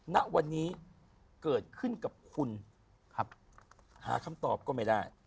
ณวันนี้เกิดขึ้นกับคุณหาคำตอบก็ไม่ได้